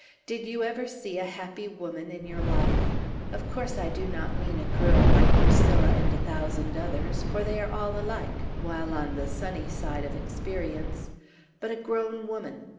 Did you ever see a happy woman in your life? Of course, I do not mean a girl, like Priscilla and a thousand others, for they are all alike, while on the sunny side of experience, but a grown woman.